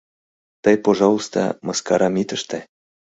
Тый, пожалуйста, мыскарам ит ыште.